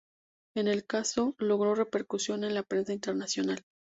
El caso logró repercusión en la prensa internacional.